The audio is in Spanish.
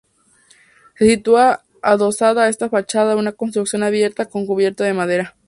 Se sitúa adosada a esta fachada una construcción abierta con cubierta de madera.